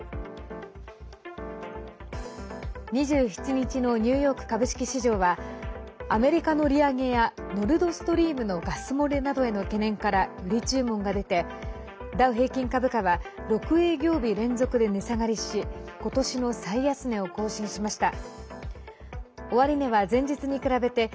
２７日のニューヨーク株式市場はアメリカの利上げやノルドストリームのガス漏れなどへの懸念から売り注文が出てダウ平均株価は６営業日連続で値下がりし今年の最安値を更新しました。